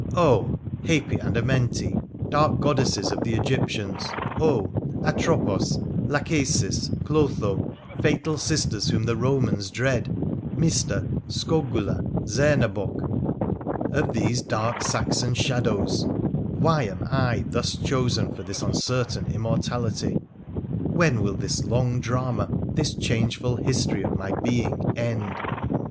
' Oh ! Hapi and Amenti, dark goddesses of the Egyptians — oh ! A tropos, Lachesis, Clotho, fatal sisters whom the Romans dread — Mista, Skogula, Zernebock, of these dark Saxon shadows — why am I thus chosen for this uncertain immor tality, when will this long drama, this changeful history of my being, end